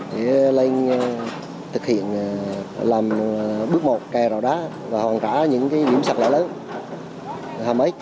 để lên thực hiện làm bước một kè rọ đá và hoàn cả những điểm sạt lỡ lớn hàm ếch